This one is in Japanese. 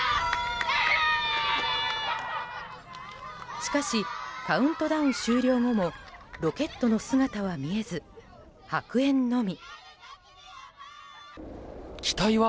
しかしカウントダウン終了後もロケットの姿は見えず白煙のみ。